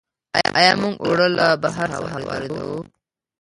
آیا موږ اوړه له بهر څخه واردوو؟